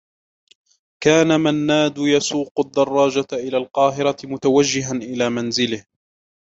كان منّاد يسوق الدّراجة إلى القاهرة متوجّها إلى منزله.